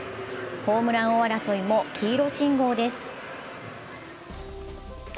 ホームラン王争いも黄色信号です。